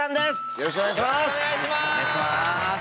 よろしくお願いします。